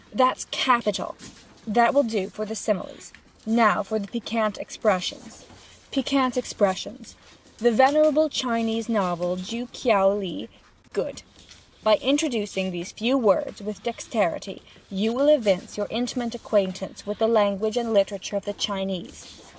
That's capital! That will do for the similes. Now for the Piquant Expressions. "PIQUANT EXPRESSIONS. 'The Venerable Chinese novel Ju Kiao Li.' Good! By introducing these few words with dexterity you will evince your intimate acquaintance with the language and literature of the Chinese.